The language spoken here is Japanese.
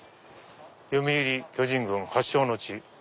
「読売巨人軍発祥の地」。